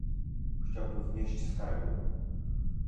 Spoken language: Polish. Chciałbym wnieść skargę